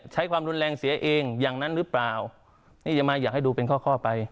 ใช้ความรุนแรงเสียเองอย่างนั้นหรือเปล่านี่จะมาอยากให้ดูเป็นข้อข้อไป